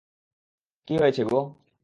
কী হয়েছে গো?